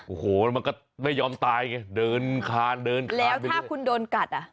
โอ้โหมันก็ไม่ยอมตายไงเดินคานเดินกัดแล้วถ้าคุณโดนกัดอ่ะ